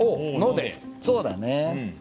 そうだね。